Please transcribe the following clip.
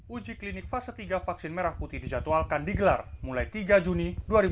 uji klinik fase tiga vaksin merah putih dijadwalkan digelar mulai tiga juni dua ribu dua puluh